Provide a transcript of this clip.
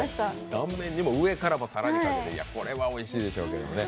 断面にも上から更にかけててねこれは、おいしいでしょうけどね。